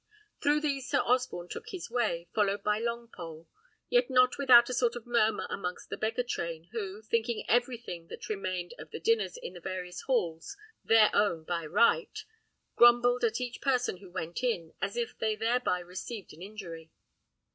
Through these Sir Osborne took his way, followed by Longpole; yet not without a sort of murmur amongst the beggar train, who, thinking everything that remained of the dinners in the various halls their own by right, grumbled at each person who went in, as if they thereby received an injury.